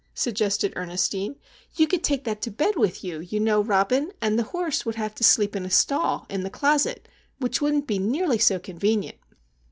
suggested Ernestine. "You could take that to bed with you, you know, Robin, and the horse would have to sleep in a stall in the closet, which wouldn't be nearly so convenient!"